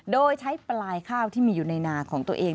โดยใช้ปลายข้าวที่มีอยู่ในนาของตัวเอง